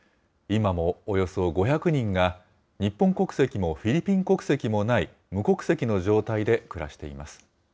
今もおよそ５００人が、日本国籍もフィリピン国籍もない、無国籍の状態で暮らしています。